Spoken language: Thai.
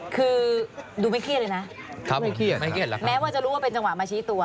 คือดูไม่เครียดเลยนะเขาไม่เครียดไม่เครียดแม้ว่าจะรู้ว่าเป็นจังหวะมาชี้ตัว